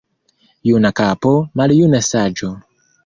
Juna kapo, maljuna saĝo.